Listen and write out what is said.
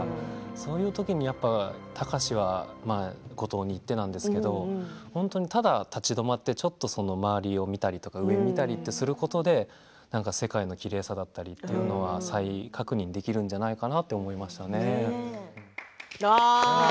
そういう時に、やっぱ貴司は五島に行ってなんですけど本当に、ただ立ち止まってちょっと周りを見たりとか上見たりってすることで世界のきれいさだったりってのは再確認できるんじゃないかなって思いましたね。